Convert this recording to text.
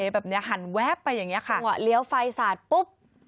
แบบนี้หันแวบไปอย่างนี้จังหวะเลี้ยวไฟสาดปุ๊บ